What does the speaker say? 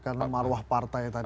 karena marwah partai tadi